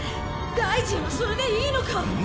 大臣はそれでいいのか！？